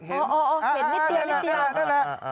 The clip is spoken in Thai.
เห็นนิดเดียว